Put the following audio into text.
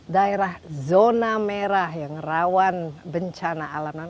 daerah zona merah yang rawan bencana alaman